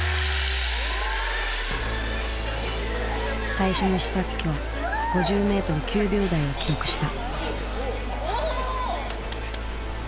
最初の試作機は５０メートル９秒台を記録した。